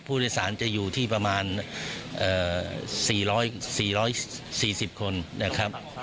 ผู้โดยสารจะอยู่ที่ประมาณ๔๔๐คนนะครับ